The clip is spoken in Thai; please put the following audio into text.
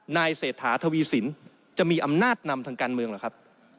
เศรษฐาทวีสินจะมีอำนาจนำทางการเมืองหรือครับ